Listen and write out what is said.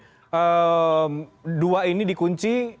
jadi dua ini dikunci